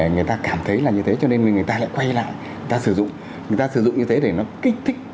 người ta cảm thấy như thế cho nên người ta lại quay lại người ta sử dụng như thế để nó kích thích